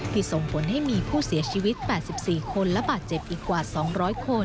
ส่งผลให้มีผู้เสียชีวิต๘๔คนและบาดเจ็บอีกกว่า๒๐๐คน